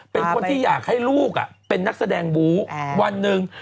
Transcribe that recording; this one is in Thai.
เป็นคนที่อยากให้ลูกเป็นนักแสดงบู๊วันหนึ่ง